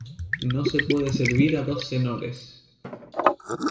No se puede servir a dos senores.